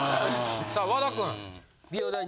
さあ和田君。